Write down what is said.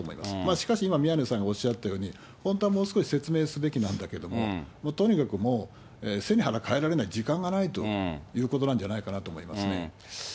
しかし今、宮根さんがおっしゃったように、本当はもう少し説明すべきなんだけども、もうとにかくもう、背に腹代えられない、時間がないということなんじゃないかなと思います。